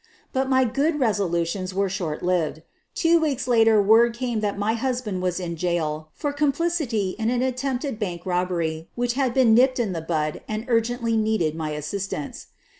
But my good resolutions were short lived. Two weeks later word came that my husband was in jail for complicity in an attempted bank robbery which had been nipped in the bud and urgently needed my assistance.